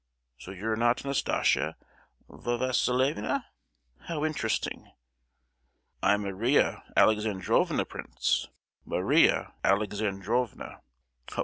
So you're not Nastasia Va—silievna? How interesting." "I'm Maria Alexandrovna, prince; Maria Alexandrovna! Oh!